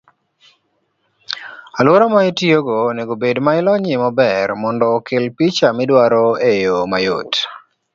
Aluora ma itiyogo onego obed ma ilonyie maber mondo okel picha midwaro eyoo mayot.